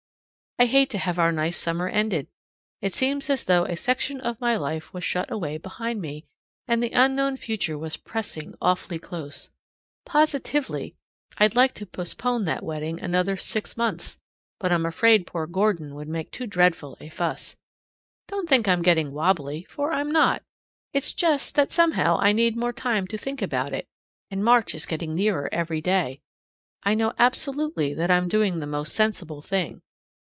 I hate to have our nice summer ended. It seems as though a section of my life was shut away behind me, and the unknown future was pressing awfully close. Positively, I'd like to postpone that wedding another six months, but I'm afraid poor Gordon would make too dreadful a fuss. Don't think I'm getting wobbly, for I'm not. It's just that somehow I need more time to think about it, and March is getting nearer every day. I know absolutely that I'm doing the most sensible thing.